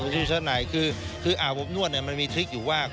ชื่อชุชนัยชุชนัยคือคืออาบบบนวดเนี่ยมันมีอยู่ว่า